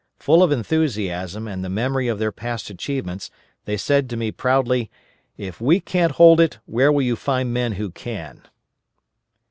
Full of enthusiasm and the memory of their past achievements they said to me proudly, _"If we can't hold it, where will you find men who can?"